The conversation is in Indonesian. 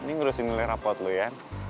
ini gue udah sini liat rapot lo ya